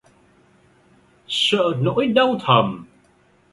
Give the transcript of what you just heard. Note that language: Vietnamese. Sợ nỗi đau thầm